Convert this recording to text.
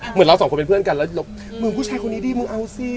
เหมือนเราสองคนเป็นเพื่อนกันแล้วมึงผู้ชายคนนี้ดีมึงเอาสิ